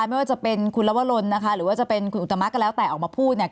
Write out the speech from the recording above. ไม่ว่าจะเป็นคุณลวรนนะคะหรือว่าจะเป็นคุณอุตมะก็แล้วแต่ออกมาพูดเนี่ย